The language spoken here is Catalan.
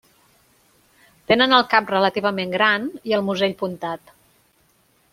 Tenen el cap relativament gran i el musell puntat.